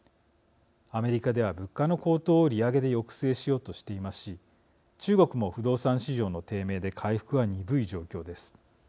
アメリカでは、物価の高騰を利上げで抑制しようとしていますし中国も、不動産市場の低迷で回復は鈍い状況です。